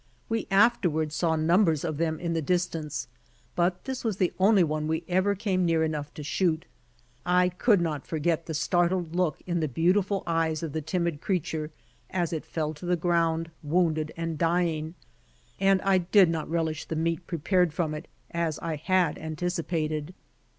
We afterwards saw numbers of them in the distance, but this was the only one we ever came near enough to shoot. I could not forget the startled look in the beautiful eyes of the timid creature as it fell to the ground wounded and dying, and I did not relish the meat prepared from it as I had anticipated.